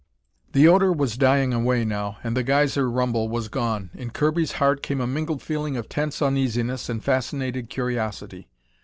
The odor was dying away now, and the geyser rumble was gone. In Kirby's heart came a mingled feeling of tense uneasiness and fascinated curiosity.